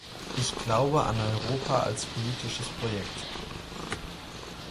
Ich glaube an Europa als politisches Projekt.